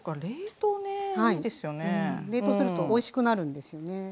冷凍するとおいしくなるんですよね。